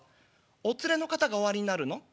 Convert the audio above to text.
お連れの方がおありになるの？」。